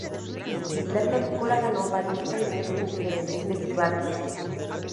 La película ganó varios premios en diferentes festivales.